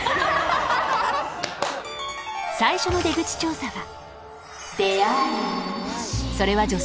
［最初の出口調査は］